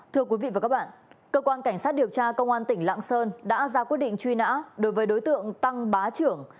thưa quý vị và các bạn cơ quan cảnh sát điều tra công an tỉnh lạng sơn đã ra quyết định truy nã đối với đối tượng tăng bá trưởng